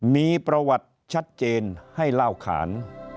มีประวัติชัดเจนให้เล่าขาน